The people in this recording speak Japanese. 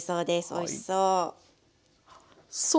おいしそう。